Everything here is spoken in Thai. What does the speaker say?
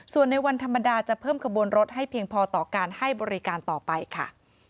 ส่วนในวันธรรมดาจะเพิ่มขบวนรถให้เพียงพอต่อการให้บริการต่อไปค่ะ